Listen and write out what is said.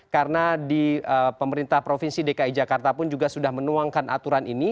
karena di pemerintah provinsi dki jakarta pun juga sudah menuangkan aturan ini